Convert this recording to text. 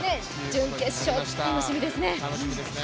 準決勝、楽しみですね。